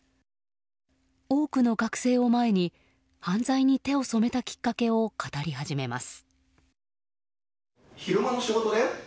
多くの学生を前に犯罪に手を染めたきっかけを語り始めます。